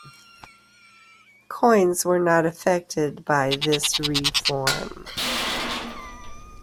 Coins were not affected by this reform.